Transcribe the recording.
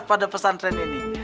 pada pesantren ini